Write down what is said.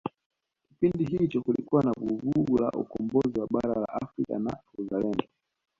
kipindi hicho kulikuwa na vuguvugu la ukombozi wa bara la afrika na uzalendo